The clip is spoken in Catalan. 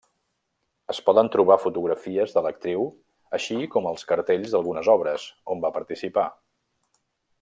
Es poden trobar fotografies de l'actriu així com els cartells d'algunes obres, on va participar.